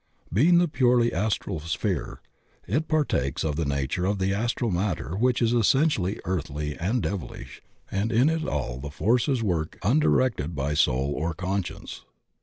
Being the purely astral sphere, it par takes of the nature of the astral matter which is essen tially earthly and devilish, and in it all the forces work undirected by soul or conscience.